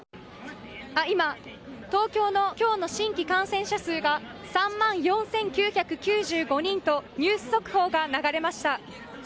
今東京の今日の新規感染者数が３万４９９５人とニュース速報が流れました。